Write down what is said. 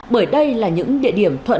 bởi đây là những địa điểm thuận lợi